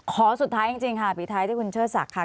ขอสุดท้ายจริงค่ะปีท้ายได้คุณเชิร์ษฐกิจค่ะ